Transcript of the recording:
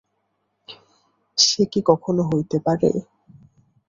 সে কি কখনো হইতে পারে?